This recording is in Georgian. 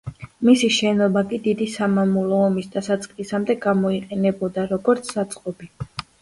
მისი შენობა კი დიდი სამამულო ომის დასაწყისამდე გამოიყენებოდა როგორც საწყობი.